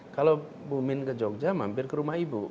kalau bu min ke jogja mampir ke rumah ibu